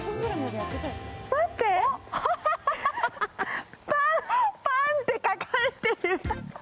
待って、「パン」って書かれてる。